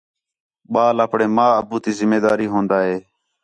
ٻال آپݨے ماں، ابو تی ذمہ داری ہون٘دا ہے